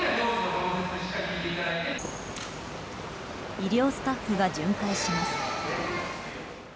医療スタッフが巡回します。